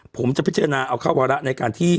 ผมจะพิจารณาเอาเข้าวาระในการที่